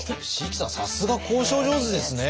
さすが交渉上手ですね。